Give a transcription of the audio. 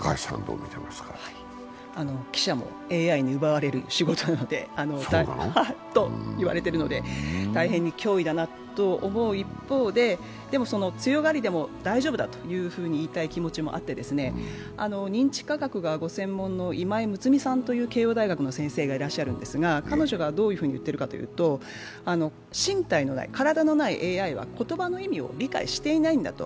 記者もＡＩに奪われる仕事だと言われているので大変に脅威だなと思う一方ででも、強がりでも大丈夫だと言いたい気持ちもあってですね、認知科学がご専門の慶応大学の先生がいらっしゃるんですが彼女がどういうふうに言っているかというと、身体のないＡＩは言葉の意味を理解していないんだと。